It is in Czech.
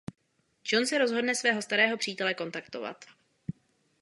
John se rozhodne svého starého přítele kontaktovat.